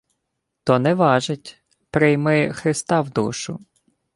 — То не важить. Прийми Христа в душу.